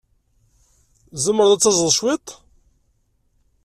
Tzemreḍ ad taẓeḍ cwiṭ?